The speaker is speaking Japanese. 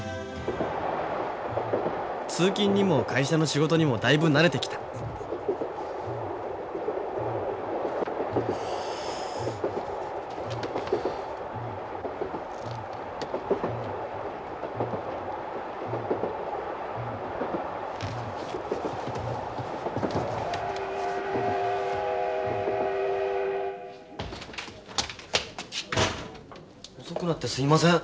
通勤にも会社の仕事にもだいぶ慣れてきた遅くなってすいません。